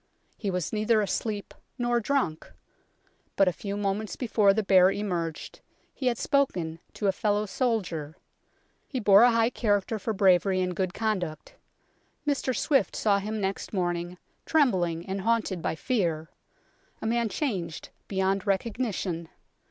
He was neither asleep nor drunk. But a few moments before the bear emerged he had spoken to a fellow soldier ; he bore a high character for bravery and good conduct. Mr Swifte saw him next morning, trembling and haunted by fear, a man changed beyond recogni tion.